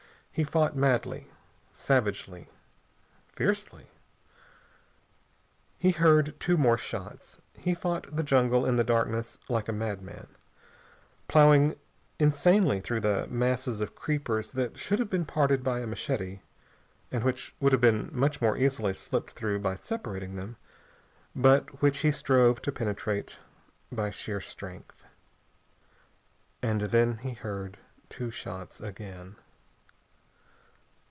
He fought madly, savagely, fiercely. He heard two more shots. He fought the jungle in the darkness like a madman, ploughing insanely through masses of creepers that should have been parted by a machete, and which would have been much more easily slipped through by separating them, but which he strove to penetrate by sheer strength. And then he heard two shots again.